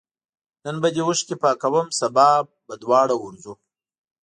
نن به دي اوښکي پاکوم سبا به دواړه ورځو